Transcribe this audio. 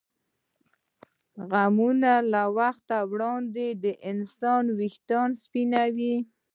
غمونه له وخته وړاندې د انسان وېښته سپینوي.